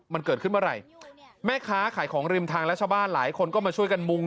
มันเกิดขึ้นเมื่อไหร่แม่ค้าขายของริมทางและชาวบ้านหลายคนก็มาช่วยกันมุง